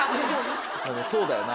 そうだよな。